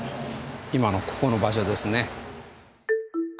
今のここの場所ですね。